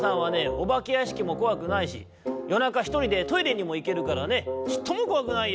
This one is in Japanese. おばけやしきもこわくないしよなかひとりでトイレにもいけるからねちっともこわくないよ」。